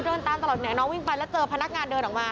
เดินตามตลอดเนี่ยน้องวิ่งไปแล้วเจอพนักงานเดินออกมา